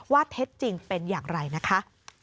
เท็จจริงเป็นอย่างไรนะคะ